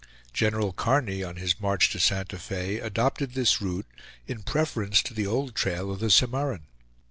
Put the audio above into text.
General Kearny, on his march to Santa Fe, adopted this route in preference to the old trail of the Cimarron.